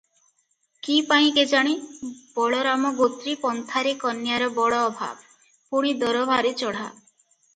କିପାଇଁ କେଜାଣି, ବଳରାମଗୋତ୍ରୀ ପନ୍ଥାରେ କନ୍ୟାର ବଡ଼ ଅଭାବ, ପୁଣି ଦର ଭାରି ଚଢ଼ା ।